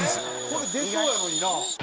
「これ出そうやのにな」